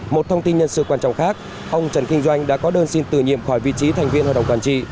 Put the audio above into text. một thông tin nhân sự quan trọng khác ông trần kinh doanh đã có đơn xin tử nhiệm khỏi vị trí thành viên hội đồng quản trị